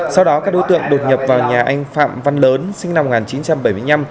sau đó các đối tượng đột nhập vào nhà anh phạm văn lớn sinh năm một nghìn chín trăm bảy mươi năm